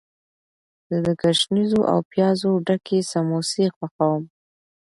زه د ګشنیزو او پیازو ډکې سموسې خوښوم.